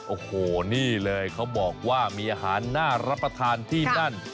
โอ้โหนี่เลยเขาบอกว่ามีอาหารน่ารับประทานที่นั่น